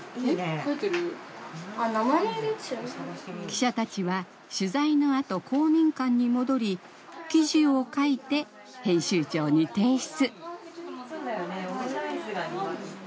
記者たちは取材のあと公民館に戻り記事を書いて編集長に提出。